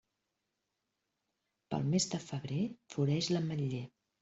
Pel mes de febrer floreix l'ametller.